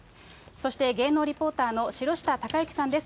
そして芸能リポーターの城下尊之さんです。